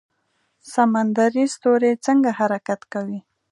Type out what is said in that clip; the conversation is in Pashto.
سمندري ستوری څنګه حرکت کوي؟